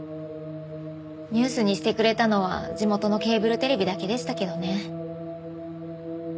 ニュースにしてくれたのは地元のケーブルテレビだけでしたけどね。